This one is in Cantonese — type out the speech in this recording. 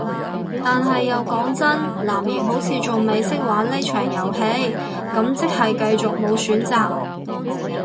但係又講真，藍營好似仲未識玩呢場遊戲，咁即係繼續無選擇